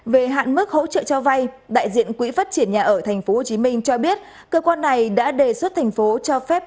về hạn mức hỗ trợ cho vai đại diện quỹ phát triển nhà ở tp hcm cho biết cơ quan này đã đề xuất tp hcm cho phép